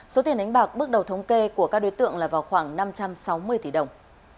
số tiền đánh bạc bước đầu thống kê của các đối tượng là vào khoảng năm trăm sáu mươi tỷ đồng